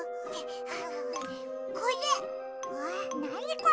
これ。